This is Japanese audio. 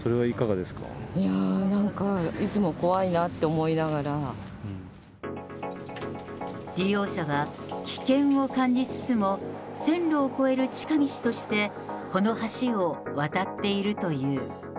いやー、なんかいつも怖いな利用者は、危険を感じつつも、線路を越える近道として、この橋を渡っているという。